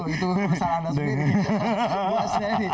itu salah anda sendiri